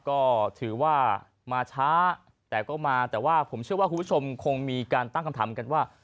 ก็ถือว่ามาช้าแต่ก็มาแต่ว่าผมเชื่อว่าคุณผู้ชมคงมีการตั้งคำถามกันว่า